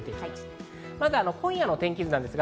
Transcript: まずは今夜の天気図です。